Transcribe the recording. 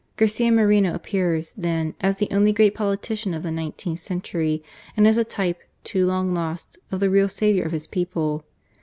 Garcia Moreno appears, then, as the only great politician of the nineteenth century, and as a type, too long lost, of the real saviour of his people.